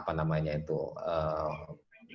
yang berubah menjadi lebih baik